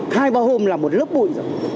hai ba hôm là một lớp bụi rồi